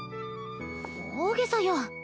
大げさよ。